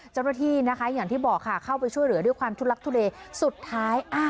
เจ้าหน้าที่นะคะอย่างที่บอกค่ะเข้าไปช่วยเหลือด้วยความทุลักทุเลสุดท้าย